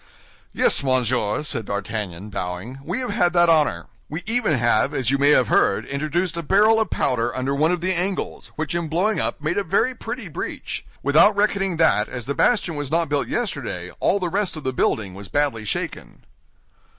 "Yes, monsieur," said D'Artagnan, bowing, "we have had that honor. We even have, as you may have heard, introduced a barrel of powder under one of the angles, which in blowing up made a very pretty breach. Without reckoning that as the bastion was not built yesterday all the rest of the building was badly shaken."